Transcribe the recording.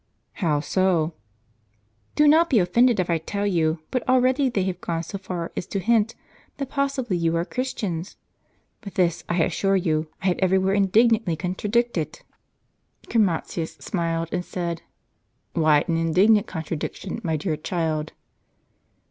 " How so? " "Do not be offended if I tell you; but already they have gone so far as to hint, that possibly you are Christians. But this, I assure you, I have every where indignantly contra dicted." Chromatins smiled, and said: "Why an indignant contra diction, my dear child